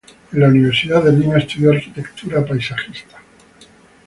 En la Universidad de Lima estudió Arquitectura Paisajista.